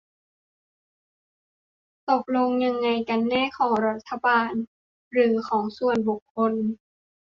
ตกลงยังไงกันแน่ ของรัฐบาล หรือของส่วนบุคคล ?